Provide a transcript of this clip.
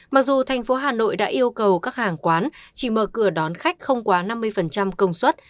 mặc dù thành phố hà nội đã yêu cầu các hàng quán chỉ mở cửa đón khách không quá năm mươi công suất